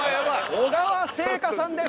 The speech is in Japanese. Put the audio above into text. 小川聖夏さんです。